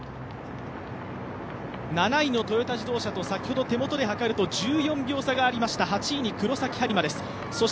７位のトヨタ自動車と、先ほど手元で測ると１４秒差がありました、８位に黒崎播磨です。